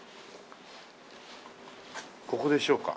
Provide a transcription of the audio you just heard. ここでしょうか？